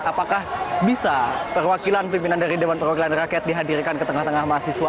apakah bisa perwakilan pimpinan dari dewan perwakilan rakyat dihadirkan ke tengah tengah mahasiswa